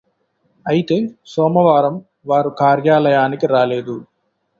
అయితే సోమవారం వారు కార్యలయానికి రాలేదు